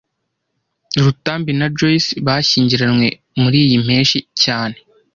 Rutambi na Joyce bashyingiranywe muriyi mpeshyi cyane